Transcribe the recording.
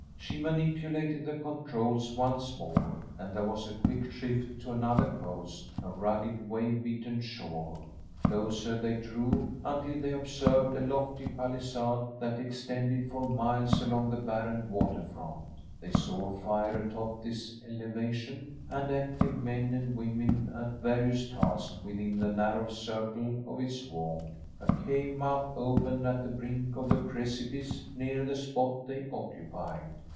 She manipulated the controls once more and there was a quick shift to another coast, a rugged, wave beaten shore. Closer they drew until they observed a lofty palisade that extended for miles along the barren waterfront. They saw a fire atop this elevation and active men and women at various tasks within the narrow circle of its warmth. A cave mouth opened at the brink of the precipice near the spot they occupied.